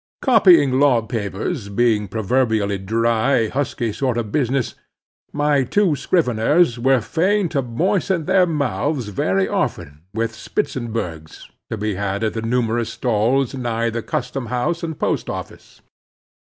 Copying law papers being proverbially dry, husky sort of business, my two scriveners were fain to moisten their mouths very often with Spitzenbergs to be had at the numerous stalls nigh the Custom House and Post Office.